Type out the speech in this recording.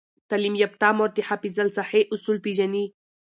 تعلیم یافته مور د حفظ الصحې اصول پیژني۔